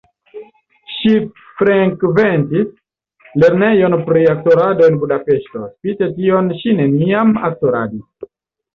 Ŝi frekventis lernejon pri aktorado en Budapeŝto, spite tion ŝi neniam aktoradis.